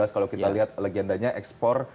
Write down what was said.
kalau kita lihat legendanya ekspor